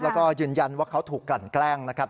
แล้วก็ยืนยันว่าเขาถูกกลั่นแกล้งนะครับ